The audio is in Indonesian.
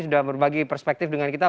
sudah berbagi perspektif dengan kita